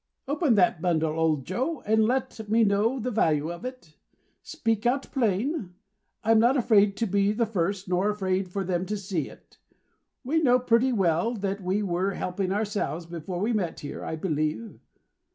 Open that bundle, old Joe, and let me know the value of it. Speak out plain. I'm not afraid to be the first, nor afraid for them to see it. We knew pretty well that we were helping ourselves, before we met here, I believe.